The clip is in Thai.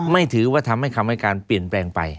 ถือว่าทำให้คำให้การเปลี่ยนแปลงไป